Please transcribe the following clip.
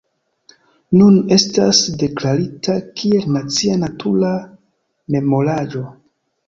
Nun estas deklarita kiel nacia natura memoraĵo.